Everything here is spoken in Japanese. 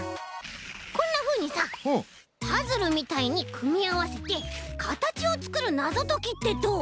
こんなふうにさパズルみたいにくみあわせてかたちをつくるなぞときってどう？